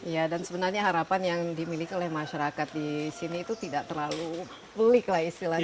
ya dan sebenarnya harapan yang dimiliki oleh masyarakat di sini itu tidak terlalu pelik lah istilahnya